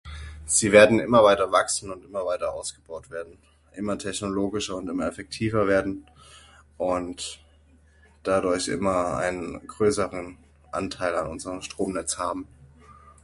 Sie werden immer weiter wachsen und immer weiter ausgebaut werden, immer technologischer und immer effektiver werden und dadurch immer einen größeren Anteil an unseren Stromnetz haben.